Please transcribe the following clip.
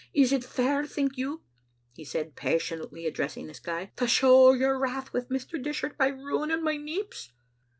"Is it fair, think you," he said, passionately addressing the sky, " to show your wrath wi' Mr. Dishart by ruin ing my neeps?"